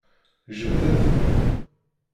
Jebdet.